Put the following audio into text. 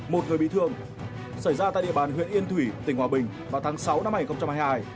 một người bị thương xảy ra tại địa bàn huyện yên thủy tỉnh hòa bình vào tháng sáu năm hai nghìn hai mươi hai